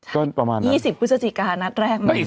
ใช่ประมาณนั้น๒๐พฤศจิกานัฐแรกมาก